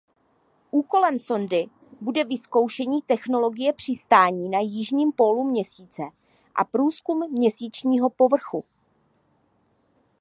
Úkolem sondy bude vyzkoušení technologie přistání na jižním pólu Měsíce a průzkum měsíčního povrchu.